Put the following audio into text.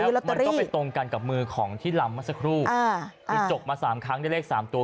แล้วมันก็ไปตรงกันกับมือของที่ลำเมื่อสักครู่คือจกมาสามครั้งได้เลขสามตัว